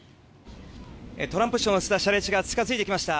トランプ氏を乗せた車列が近付いてきました。